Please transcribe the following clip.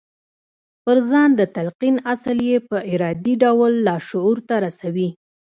پر ځان د تلقين اصل يې په ارادي ډول لاشعور ته رسوي.